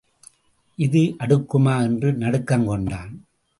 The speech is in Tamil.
இது அடுக்குமா என்று நடுக்கம் கொண்டான்.